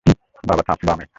বাবা, বামে।